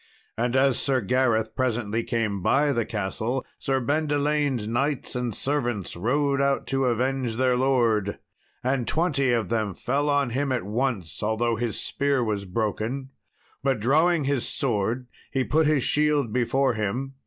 And as Sir Gareth presently came by the castle, Sir Bendelaine's knights and servants rode out to revenge their lord. And twenty of them fell on him at once, although his spear was broken. But drawing his sword he put his shield before him.